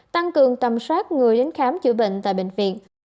tăng cường tầm soát người đến khám chữa bệnh tại bệnh viện